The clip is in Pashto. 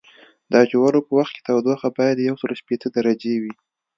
د اچولو په وخت تودوخه باید یوسل شپیته درجې وي